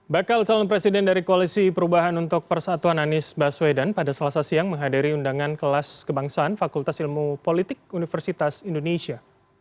bakal calon presiden dari koalisi perubahan untuk persatuan anies baswedan pada selasa siang menghadiri undangan kelas kebangsaan fakultas ilmu politik universitas indonesia